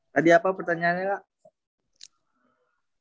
tadi apa pertanyaannya kak